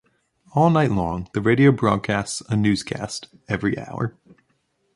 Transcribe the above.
All night long, the radio broadcasts a newscast every hour.